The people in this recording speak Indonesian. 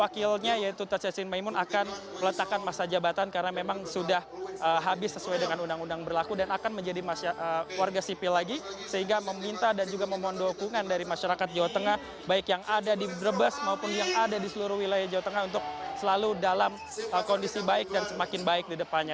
wakilnya yaitu tas yassin maimun akan meletakkan masa jabatan karena memang sudah habis sesuai dengan undang undang berlaku dan akan menjadi warga sipil lagi sehingga meminta dan juga memohon doakungan dari masyarakat jawa tengah baik yang ada di brebes maupun yang ada di seluruh wilayah jawa tengah untuk selalu dalam kondisi baik dan semakin baik di depannya